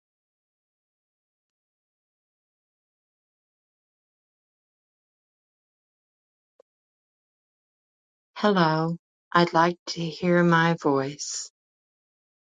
The show had been presented by Steve Jones and liz Fuller.